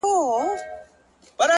ه ټول ياران دې ولاړل له يارانو سره”